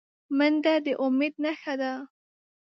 منډه د امید نښه ده